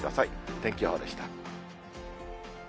天気予報でした。